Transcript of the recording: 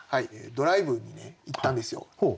ドライブに行ったんですよ。